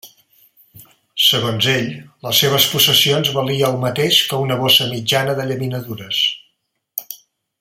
Segons ell, les seves possessions valia el mateix que una bossa mitjana de llaminadures.